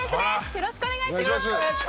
よろしくお願いします！